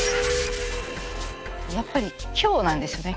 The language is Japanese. やっぱり今日なんですよね。